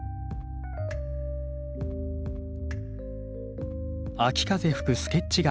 秋風吹くスケッチが完成。